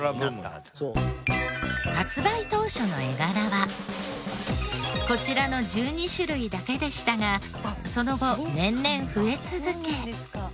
発売当初の絵柄はこちらの１２種類だけでしたがその後年々増え続け